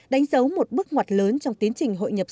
đánh dấu một bước ngoặt lớn trong tiến trình hội nhập